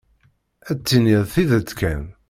Ad d-tiniḍ tidet kan.